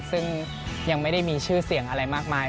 ซึ่งยังไม่ได้มีชื่อเสียงอะไรมากมาย